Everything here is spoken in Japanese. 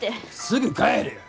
すぐ帰るよ。